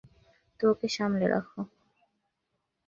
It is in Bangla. তো ওকে সামলে রাখো।